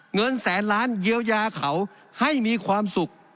เงินแสนล้านเยียวยาเขาให้มีความสุข